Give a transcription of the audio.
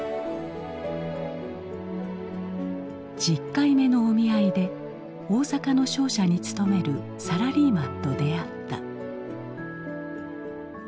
１０回目のお見合いで大阪の商社に勤めるサラリーマンと出会った。